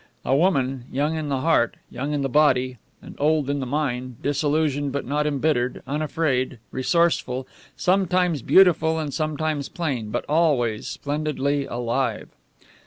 A woman, young in the heart, young in the body, and old in the mind, disillusioned but not embittered, unafraid, resourceful, sometimes beautiful and sometimes plain, but always splendidly alive.